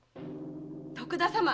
徳田様！